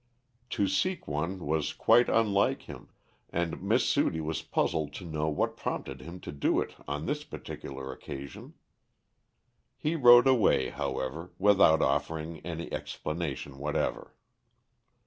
To seek one was quite unlike him, and Miss Sudie was puzzled to know what prompted him to do it on this particular occasion. He rode away, however, without offering any explanation whatever.